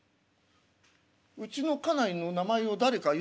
うちの家内の名前を誰か呼んだかな？